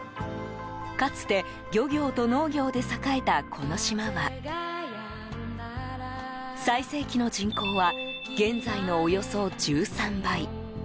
かつて漁業と農業で栄えたこの島は最盛期の人口は現在のおよそ１３倍。